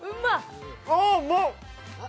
うまっ！